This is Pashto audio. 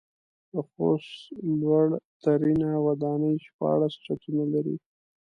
د خوست لوړ ترينه وداني شپاړس چتونه لري.